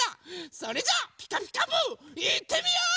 それじゃあ「ピカピカブ！」いってみよう！